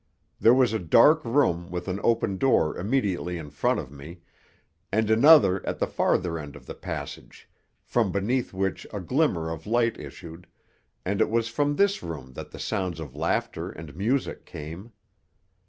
There was a dark room with an open door immediately in front of me, and another at the farther end of the passage, from beneath which a glimmer of light issued, and it was from this room that the sounds of laughter and music came.